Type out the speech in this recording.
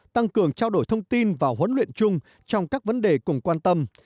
tăng cường trao đổi thông tin và huấn luyện chung trong các vấn đề cùng quan tâm